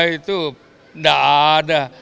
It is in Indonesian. ah itu enggak ada